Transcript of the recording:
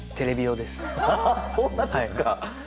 そうなんですか。